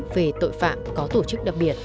về tội phạm có tổ chức đặc biệt